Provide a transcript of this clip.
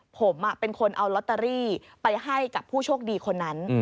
ผมเป็นคนเอาลอตเตอรี่ไปให้กับผู้โชคดีคนนั้น